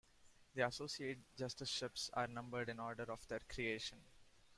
The Associate Justiceships are numbered in order of their creation.